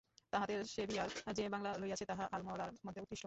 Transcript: তাহাতে সেভিয়ার যে বাংলা লইয়াছে, তাহা আলমোড়ার মধ্যে উৎকৃষ্ট।